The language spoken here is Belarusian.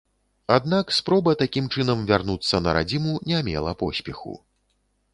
Аднак спроба такім чынам вярнуцца на радзіму не мела поспеху.